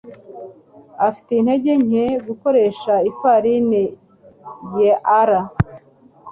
ufite intege nke. Gukoresha ifarine year